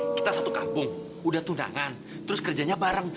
kita satu kampung udah tunangan terus kerjanya bareng